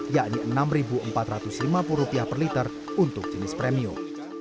yakni rp enam empat ratus lima puluh per liter untuk jenis premium